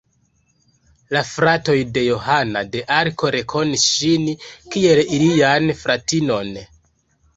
La fratoj de Johana de Arko rekonis ŝin kiel ilian fratinon.